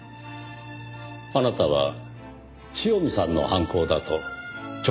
あなたは塩見さんの犯行だと直感した。